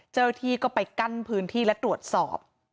เจ้าหน้าที่ก็ไปกั้นพื้นที่และตรวจสอบ